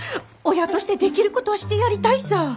親としてできることはしてやりたいさぁ。